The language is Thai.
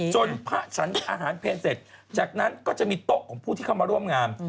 พระฉันอาหารเพลงเสร็จจากนั้นก็จะมีโต๊ะของผู้ที่เข้ามาร่วมงาน